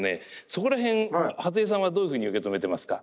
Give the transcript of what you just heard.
そこら辺初江さんはどういうふうに受け止めてますか？